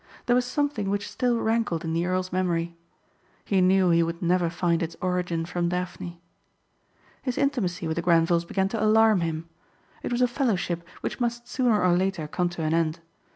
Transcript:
There was something which still rankled in the earl's memory. He knew he would never find its origin from Daphne. His intimacy with the Grenvils began to alarm him. It was a fellowship which must sooner or later come to an end.